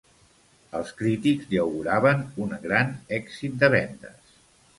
Els crítics li auguraven un gran èxit de vendes.